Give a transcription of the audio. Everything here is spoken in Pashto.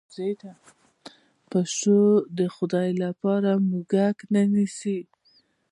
پیشو د خدای لپاره موږک نه نیسي.